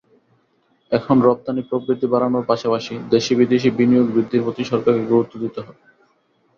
এখন রপ্তানি প্রবৃদ্ধি বাড়ানোর পাশাপাশি দেশি-বিদেশি বিনিয়োগ বৃদ্ধির প্রতি সরকারকে গুরুত্ব দিতে হবে।